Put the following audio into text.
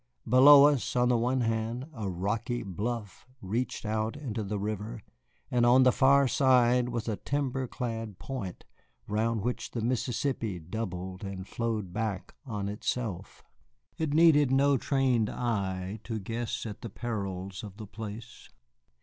Below us, on the one hand, a rocky bluff reached out into the river, and on the far side was a timber clad point round which the Mississippi doubled and flowed back on itself. It needed no trained eye to guess at the perils of the place.